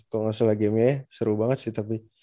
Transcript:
kalo ga salah gamenya seru banget sih tapi